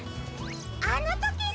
あのときの！